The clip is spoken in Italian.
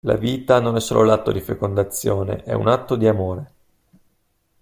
La vita non è solo l'atto di fecondazione è un atto di amore.